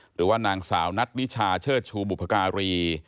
หรือว่านางสาวนัทนิชาเชิดชูบุพการี